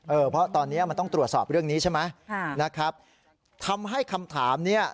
เพราะตอนนี้มันต้องตรวจสอบเรื่องนี้ใช่ไหมค่ะนะครับทำให้คำถามเนี้ย